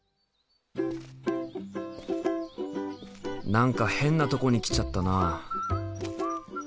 何か変なとこに来ちゃったな。